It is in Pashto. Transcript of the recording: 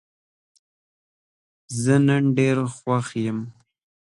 زه نن ډېر خوښ یم.